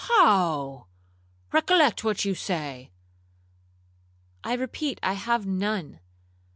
'—'How!—recollect what you say.'—'I repeat I have none.